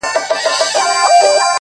زه د لاسونو د دعا له دايرې وتلی;